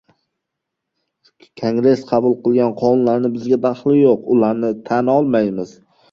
kongress qabul qilgan qonunlarning bizga daxli yo‘q, ularni tan olmaymiz»